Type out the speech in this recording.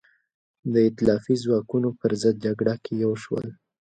د ایتلافي ځواکونو پر ضد جګړه کې یو شول.